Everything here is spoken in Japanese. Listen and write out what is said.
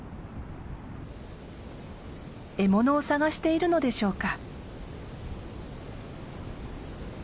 獲物を探しているのでしょうか。